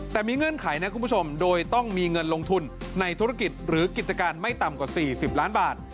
แต่มีเงื่อนไขนะคุณผู้ชมโดยต้องมีเงินลงทุนในธุรกิจหรือกิจการไม่ต่ำกว่า๔๐ล้านบาท